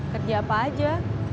kerja apa aja